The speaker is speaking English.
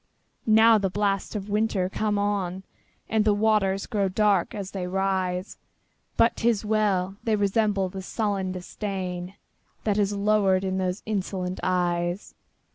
Now the blasts of the winter come on, And the waters grow dark as they rise! But 't is well!—they resemble the sullen disdainThat has lowered in those insolent eyes.